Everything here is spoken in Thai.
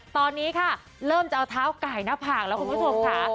ตอนนี้ค่ะเริ่มจะเอาเท้าไก่หน้าผากแล้วคุณผู้ชมค่ะ